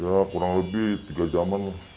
ya kurang lebih tiga jaman